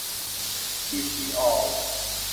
ซีพี ออลล์